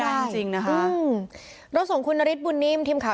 จริงจริงนะคะโรงสนับสมชอบครูนอริทบุญนิมทีมข่าว